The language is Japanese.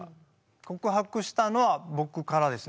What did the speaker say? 告白したのは僕からですね。